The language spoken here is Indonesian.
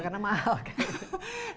karena mahal kan